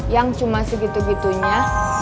yang cuma segitu gitunya